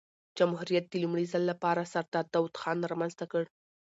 جمهوریت د لومړي ځل له پاره سردار داود خان رامنځ ته کړ.